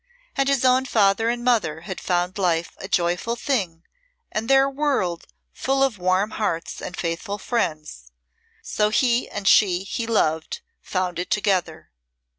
As his own father and mother had found life a joyful thing and their world full of warm hearts and faithful friends, so he and she he loved, found it together.